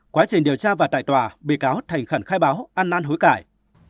quá trình điều tra và tài tòa bị cáo thành khẩn khai báo an nan hối cải